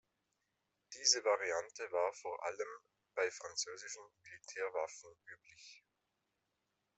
Diese Variante war vor allem bei französischen Militärwaffen üblich.